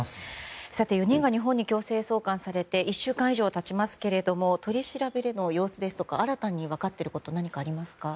４人が日本に強制送還されて１週間以上経ちますけれど取り調べでの様子ですとか新たに分かっていることは何かありますか？